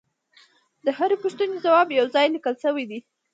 د هرې پوښتنې ځواب یو ځای لیکل شوی دی